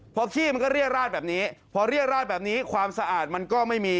พอขี้มันก็เรียดราดแบบนี้พอเรียราดแบบนี้ความสะอาดมันก็ไม่มี